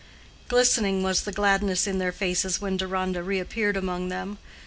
Glistening was the gladness in their faces when Deronda reappeared among them.